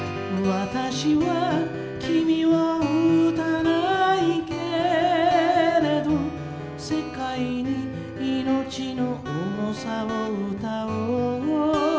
「わたしは君を撃たないけれど世界に生命の重さを歌おう」